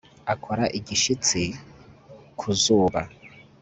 akora igishitsi ku zuba